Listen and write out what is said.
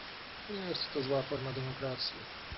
Nie jest to zła forma demokracji